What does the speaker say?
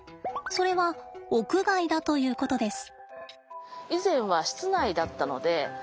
それは屋外だということです。